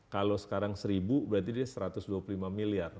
kalau sekarang seribu berarti dia satu ratus dua puluh lima miliar